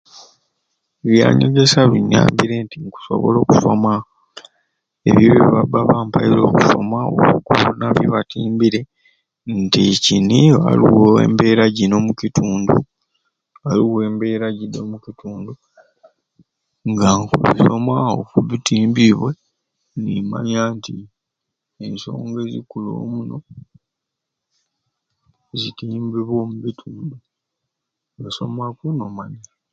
Ebyanyegesya binyambire nti nkusobola okusoma ebyo byebabba bampairye okusoma oba byebatimbire nti kini waliwo embeera jini omukitundu, waliwo embeera giti omukitundu nga nkusoma oku bitimbibwe nimanya nti ensonga egikulu omunoo zitimbibwa omubitundu n'osomaku n'omanya.